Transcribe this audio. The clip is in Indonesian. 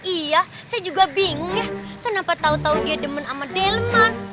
iya saya juga bingung ya kenapa tahu tahu dia demen sama delman